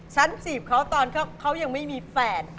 จีบเขาตอนเขายังไม่มีแฟน